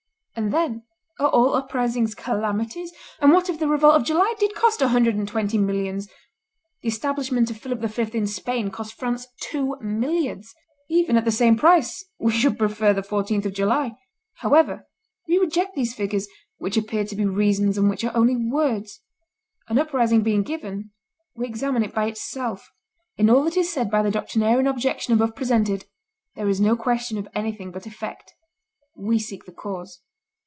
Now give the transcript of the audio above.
And then, are all uprisings calamities? And what if the revolt of July did cost a hundred and twenty millions? The establishment of Philip V. in Spain cost France two milliards. Even at the same price, we should prefer the 14th of July. However, we reject these figures, which appear to be reasons and which are only words. An uprising being given, we examine it by itself. In all that is said by the doctrinarian objection above presented, there is no question of anything but effect, we seek the cause.